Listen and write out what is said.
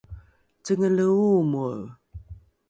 cengele oomoe